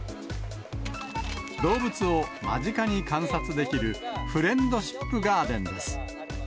動物を間近に観察できるふれんどしっぷガーデンです。